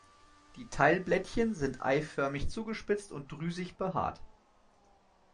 Die Teilblättchen sind eiförmig zugespitzt und drüsig behaart.